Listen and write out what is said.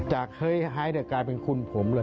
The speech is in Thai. จากเฮ้ยไฮเดอร์กลายเป็นคุณผม